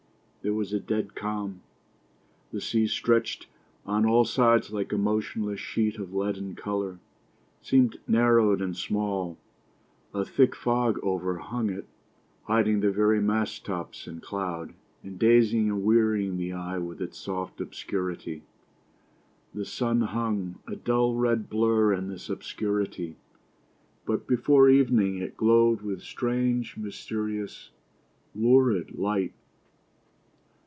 There was a dead calm. The sea stretched on all sides like a motionless sheet of leaden colour. It seemed narrowed and small ; a thick fog overhung it, hiding the very mast tops in 317 POEMS IN PROSE cloud, and dazing and wearying the eyes with its soft obscurity. The sun hung, a dull red blur in this obscurity ; but before evening it glowed with strange, mysterious, lurid light.